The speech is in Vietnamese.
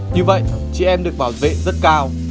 như vậy chị em được bảo vệ rất cao